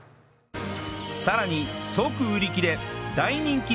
さらに即売り切れ大人気